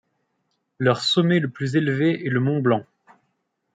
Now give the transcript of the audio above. Leur sommet le plus élevé est le Mont Blanc.